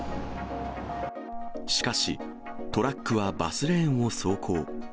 しかし、トラックはバスレーンを走行。